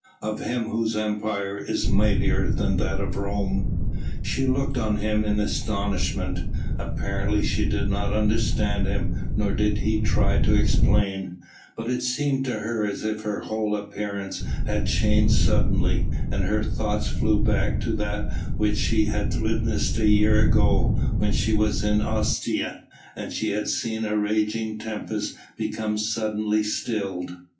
"Of Him Whose Empire is mightier than that of Rome." She looked on him in astonishment. Apparently she did not understand him, nor did he try to explain, but it seemed to her as if his whole appearance had changed suddenly, and her thoughts flew back to that which she had witnessed a year ago when she was in Ostia and she had seen a raging tempest become suddenly stilled.